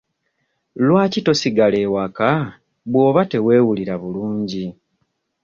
Lwaki tosigala ewaka bw'oba teweewulira bulungi?